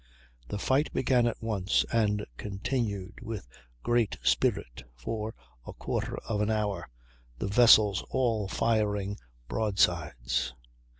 The fight began at once, and continued with great spirit for a quarter of an hour, the vessels all firing broadsides.